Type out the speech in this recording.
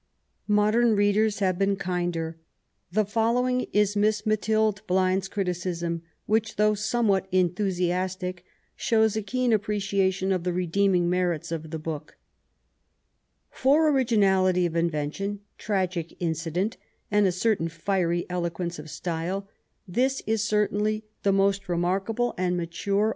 Modem readers have been kinder. The following is Miss Mathilde Blind's criticism, which, though somewhat enthusiastic, shows a keen apprecia tion of the redeeming merits of the book :— For originality of inyention, tragic incident, and a certain fiery eloquence of style, this is certainly the most remarkable and matnre 11 162 MAEY W0LL8T0NECBAFT GODWIN.